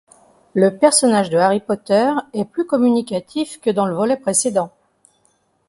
Le personnage de Harry Potter est plus communicatif que dans le volet précédent.